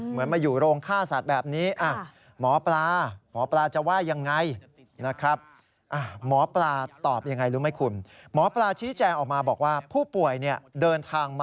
เหมือนมาอยู่โรงค่าศาสตร์แบบนี้